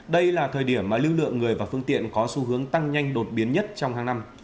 đây là thời điểm mà lưu lượng người và phương tiện có xu hướng tăng nhanh đột biến nhất trong hàng năm